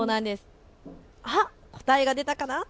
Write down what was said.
答えが出たかな。